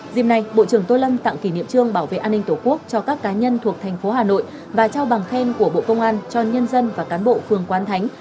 dìm nay bộ trưởng tô lâm tặng kỷ niệm trương bảo vệ an ninh tổ quốc cho các cá nhân thuộc thành phố hà nội và trao bằng khen của bộ công an cho nhân dân và cán bộ phường quán thánh